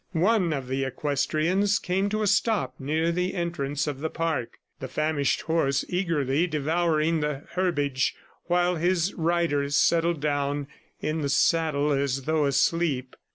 One of the equestrians came to a stop near the entrance of the park, the famished horse eagerly devouring the herbage while his rider settled down in the saddle as though asleep.